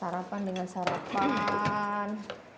sarapan dengan sarapan